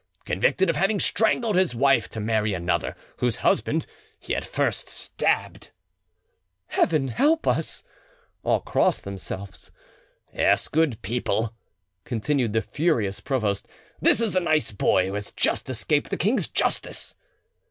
"Convicted of having strangled his wife to marry another, whose husband he had first stabbed." "Heaven help us!" All crossed themselves. "Yes, good people," continued the furious provost, "this is the nice boy who has just escaped the king's justice!"